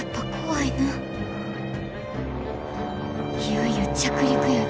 いよいよ着陸やで。